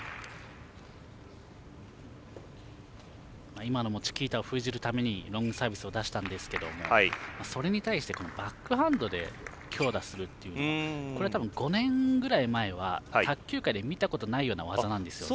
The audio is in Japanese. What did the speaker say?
今のもチキータを封じるためにロングサービスを出したんですがそれに対して、バックハンドで強打するというのはこれは多分５年ぐらい前は卓球界で見たことない技なんですよね。